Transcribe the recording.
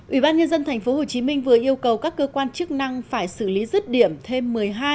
ủy ban nhân dân tp hcm vừa yêu cầu các cơ quan chức năng phải xử lý rứt điểm thêm một mươi hai